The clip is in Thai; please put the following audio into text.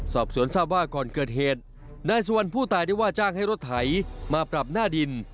สอบสวนทราบว่าก่อนเกิดเหตุนายสุวรรณผู้ตายได้ว่าจ้างให้รถไถมาปรับหน้าดิน